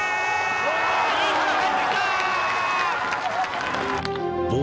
いい球返ってきたー！